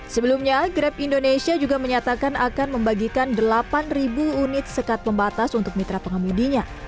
sebelumnya grab indonesia juga menyatakan akan membagikan delapan unit sekat pembatas untuk mitra pengemudinya